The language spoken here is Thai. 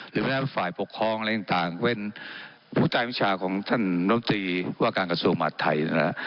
หรือแม้ฝ่ายปกครองอะไรอย่างต่างเพนพุทธประชาของท่านนมตรีว่าการกสรุมหรอเท้านี้นะ